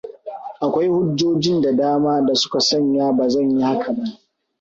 Akwai hujjojin da dama da suka sanya ba zan yi haka ba.